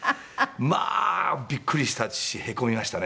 まあびっくりしたしへこみましたね